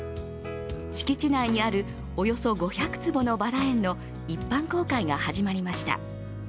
敷地内にあるおよそ５００坪のバラ園の一般公開が始まりました。